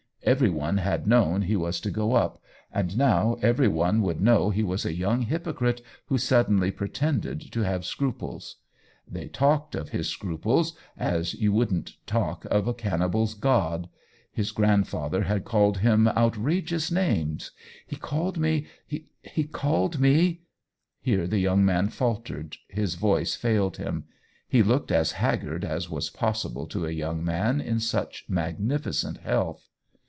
Every one had known he was to go up, and now every one would know he was a young hypocrite who sudden ly pretended to have scruples. They talked OWEN WINGRAVE 185 of his scruples as you wouldn't talk of a cannibars god. His grandfather had called him outrageous names. " He called me — he called me —" Here the young man faltered, his voice failed him. He looked as haggard as was possible to a young man in such magnificent health.